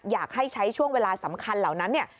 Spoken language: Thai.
อยากให้ใช้ช่วงเวลาสำคัญเหล่านั้นเนี่ย